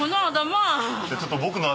ちょっとこの頭。